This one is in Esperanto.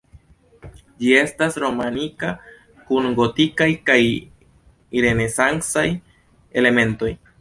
Ĝi estas romanika kun gotikaj kaj renesancaj elementoj.